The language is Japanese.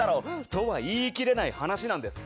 とは言い切れない話なんです。